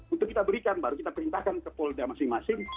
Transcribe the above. untuk kita berikan baru kita perintahkan ke polda masing masing